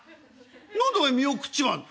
「何でお前身を食っちまうんだ」。